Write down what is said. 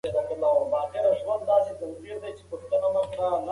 قلم ته لاس کړئ.